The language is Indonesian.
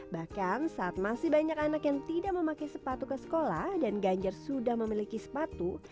bahkan saat masih banyak anak yang tidak memakai sepatu ke sekolah dan ganjar sudah memiliki sepatu